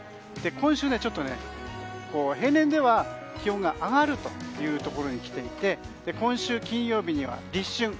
今週、平年では気温が上がるところに来ていて今週金曜日には立春。